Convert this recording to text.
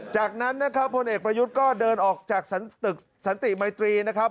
จากนั้นนะครับพลเอกประยุทธ์ก็เดินออกจากตึกสันติมัยตรีนะครับ